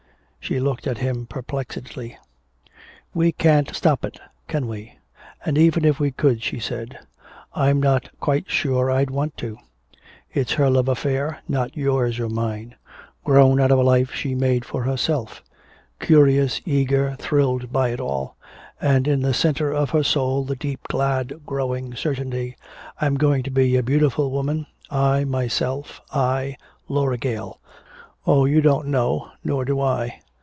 She looked at him perplexedly. "We can't stop it, can we? And even if we could," she said, "I'm not quite sure I'd want to. It's her love affair, not yours or mine grown out of a life she made for herself curious, eager, thrilled by it all and in the center of her soul the deep glad growing certainty, 'I'm going to be a beautiful woman I myself, I, Laura Gale!' Oh, you don't know nor do I.